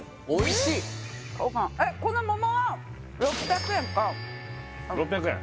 このももは６００円か６００円？